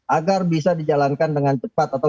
agar bisa dijalankan dengan cepat atau